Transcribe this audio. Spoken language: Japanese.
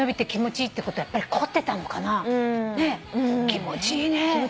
気持ちいいね。